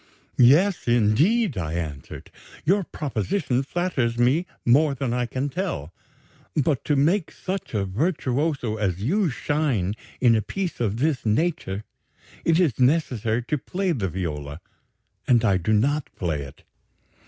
'Yes, indeed,' I answered, 'your proposition flatters me more than I can tell, but, to make such a virtuoso as you shine in a piece of this nature, it is necessary to play the viola, and I do not play it.